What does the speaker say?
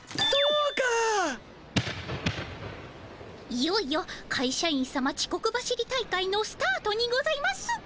いよいよかいしゃ員さまちこく走り大会のスタートにございます。